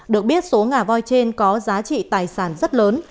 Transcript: được biết số ngà voi trên có giá trị tài sản rất lớn